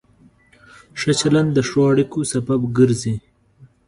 ښه چلند د ښو اړیکو سبب ګرځي.